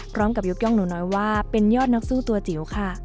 ยกย่องหนูน้อยว่าเป็นยอดนักสู้ตัวจิ๋วค่ะ